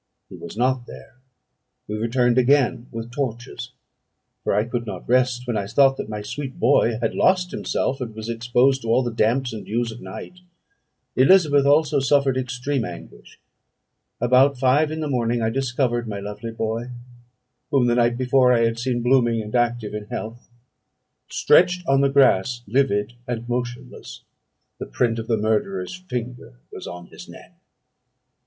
He was not there. We returned again, with torches; for I could not rest, when I thought that my sweet boy had lost himself, and was exposed to all the damps and dews of night; Elizabeth also suffered extreme anguish. About five in the morning I discovered my lovely boy, whom the night before I had seen blooming and active in health, stretched on the grass livid and motionless: the print of the murderer's finger was on his neck.